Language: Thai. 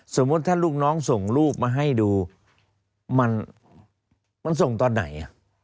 สมมุติถ้าลูกน้องส่งรูปมาให้ดูมันส่งตอนไหน